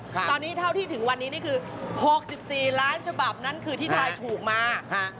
ตอนนี้เท่าที่ถึงวันนี้นี่คือ๖๔ล้านฉบับนั้นคือที่ทายถูกมา